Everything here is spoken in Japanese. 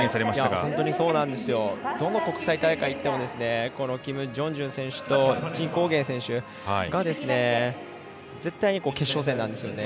本当にそうなんですどの国際大会に行ってもこのキム・ジョンジュン選手と陳浩源選手が絶対に決勝戦なんですよね。